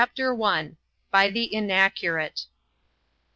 By the Inaccurate.